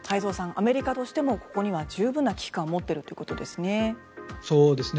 アメリカとしてもここには十分な危機感を持っているということですね。